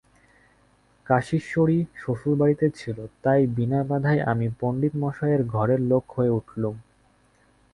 কাশীশ্বরী শ্বশুরবাড়িতে ছিল, তাই বিনা বাধায় আমি পণ্ডিতমশায়ের ঘরের লোক হয়ে উঠলুম।